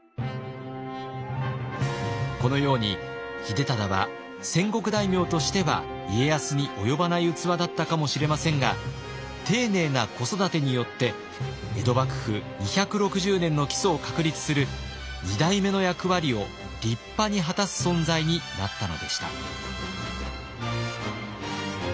このように秀忠は戦国大名としては家康に及ばない器だったかもしれませんが丁寧な子育てによって江戸幕府２６０年の基礎を確立する二代目の役割を立派に果たす存在になったのでした。